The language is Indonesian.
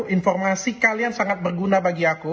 informasi kalian sangat berguna bagi aku